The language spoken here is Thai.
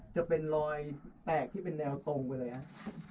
จะเป็นรอยแตกที่เป็นแนวตรงไปเลยครับ